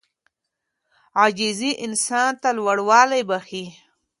عاجزي انسان ته لوړوالی بښي.